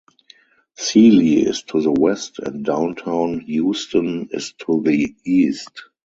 Sealy is to the west, and downtown Houston is to the east.